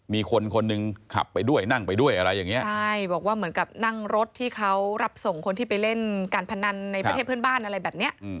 มีคนคนหนึ่งขับไปด้วยนั่งไปด้วยอะไรอย่างเงี้ใช่บอกว่าเหมือนกับนั่งรถที่เขารับส่งคนที่ไปเล่นการพนันในประเทศเพื่อนบ้านอะไรแบบเนี้ย